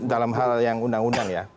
dalam hal yang undang undang ya